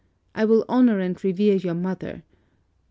I will honor and revere your mother.